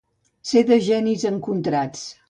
Ser de genis encontrats.